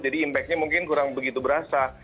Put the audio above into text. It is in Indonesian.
jadi impactnya mungkin kurang begitu berasa